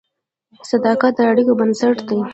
صداقت د اړیکو بنسټ دی.